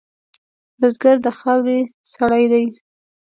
بزګر د خاورې سړی دی